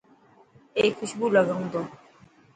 اي خوشبو لگائون تو.